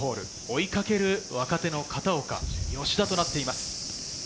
追いかける若手の片岡、吉田となっています。